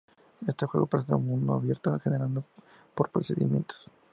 Este juego presenta un mundo abierto generado por procedimientos.